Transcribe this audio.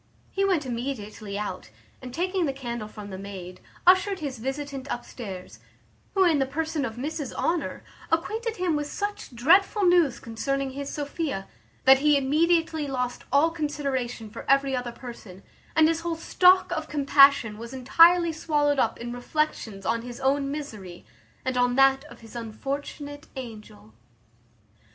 He went immediately out, and, taking the candle from the maid, ushered his visitant upstairs, who, in the person of Mrs Honour, acquainted him with such dreadful news concerning his Sophia, that he immediately lost all consideration for every other person; and his whole stock of compassion was entirely swallowed up in reflections on his own misery, and on that of his unfortunate angel.